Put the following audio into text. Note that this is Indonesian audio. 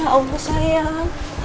ya allah sayang